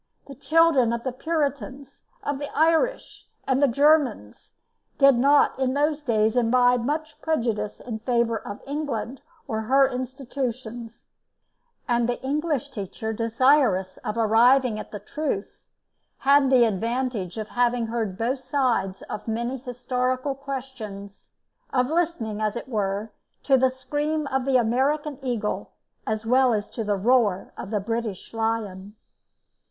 The children of the Puritans, of the Irish and the Germans, did not in those days imbibe much prejudice in favour of England or her institutions, and the English teacher desirous of arriving at the truth, had the advantage of having heard both sides of many historical questions; of listening, as it were, to the scream of the American eagle, as well as to the roar of the British lion.